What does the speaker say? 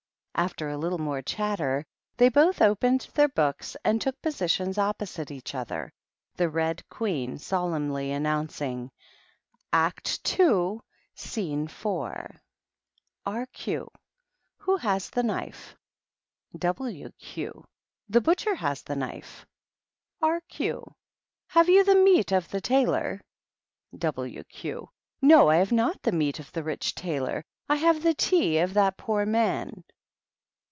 After a THE RED QUEEN AND THE DUCHESS. 161 little more chatter, they both opened their books and took positions opposite each other, the Red Queen solemnly announcing, — "Act IL Scene IV. B. Q. Who has the knife ? W. Q. The butcher has the knife. B, Q. Have you the meat of the tailor? TT. Q. No, I have not the meat of the rich tailor; I have the tea of that poor man.